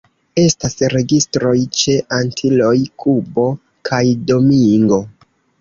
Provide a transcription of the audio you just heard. Estas registroj ĉe Antiloj, Kubo kaj Domingo.